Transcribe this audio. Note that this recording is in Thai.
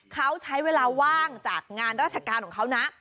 เขาใช้เวลาว่างจากงานราชการของเขานะ